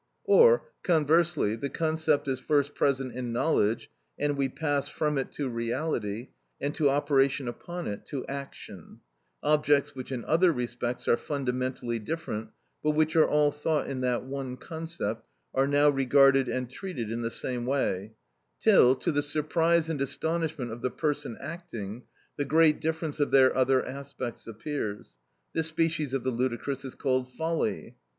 Or, conversely, the concept is first present in knowledge, and we pass from it to reality, and to operation upon it, to action: objects which in other respects are fundamentally different, but which are all thought in that one concept, are now regarded and treated in the same way, till, to the surprise and astonishment of the person acting, the great difference of their other aspects appears: this species of the ludicrous is called folly.